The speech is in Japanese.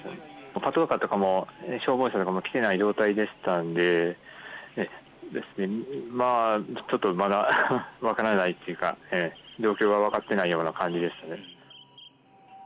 パトカーや消防車も来ていない状態でしたのでちょっとまだ分からないというか、状況が分かっていないような感じです。